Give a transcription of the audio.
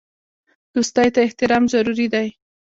دوستۍ ته احترام ضروري دی.